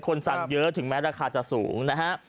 สั่งเยอะถึงแม้ราคาจะสูงนะฮะ